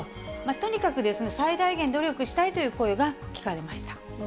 とにかく最大限努力したいという声が聞かれました。